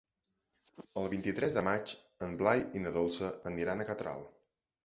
El vint-i-tres de maig en Blai i na Dolça aniran a Catral.